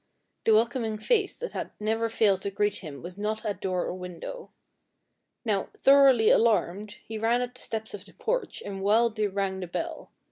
The welcoming face that had never failed to greet him was not at door or window. Now, thoroughly alarmed, he ran up the steps of the porch and wildly rang the bell.